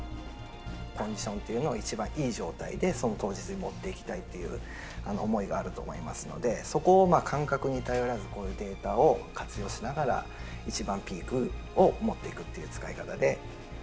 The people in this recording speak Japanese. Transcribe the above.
コンディションというのを一番いい状態でその当日にもっていきたいという思いがあると思いますので、そこを感覚に頼らず、こういうデータを活用しながら、一番ピークをもっていくっていう使い方で。